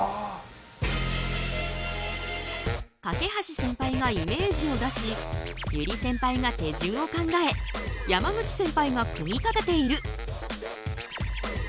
梯センパイがイメージを出し百合センパイが手順を考え山口センパイが組み立てている。